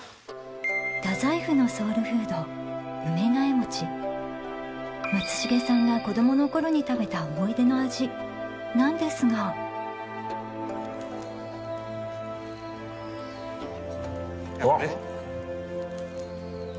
太宰府のソウルフード松重さんが子供の頃に食べた思い出の味なんですがうわ！